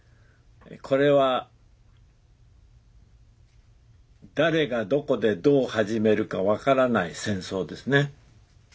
これは誰がどこでどう始めるか分からない戦争ですね。